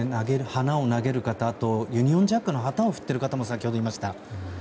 花を投げる方、あとユニオンジャックの旗を振っている方も先ほどいました。